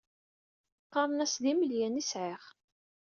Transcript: Qqarent-as d imelyan i sɛiɣ.